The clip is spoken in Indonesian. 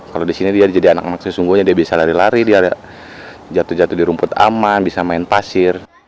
kalau di sini dia jadi anak anak sesungguhnya dia bisa lari lari dia jatuh jatuh di rumput aman bisa main pasir